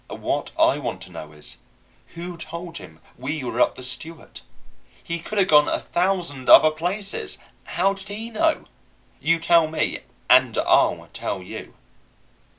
And what I want to know is who told him we were up the Stewart? We could have gone a thousand other places. How did he know? You tell me, and I'll tell you.